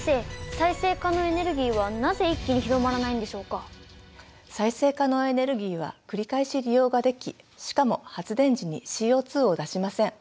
再生可能エネルギーは繰り返し利用ができしかも発電時にＣＯを出しません。